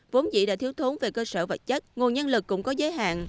vốn dĩ đã thiếu thốn về cơ sở vật chất nguồn nhân lực cũng có giới hạn